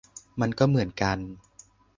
มันก็เหมือนกัน